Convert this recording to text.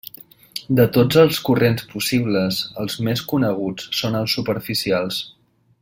De tots els corrents possibles els més coneguts són els superficials.